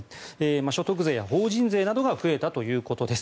所得税や法人税などが増えたということです。